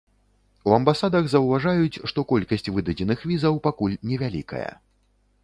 У амбасадах заўважаюць, што колькасць выдадзеных візаў пакуль невялікая.